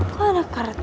kok ada karta sih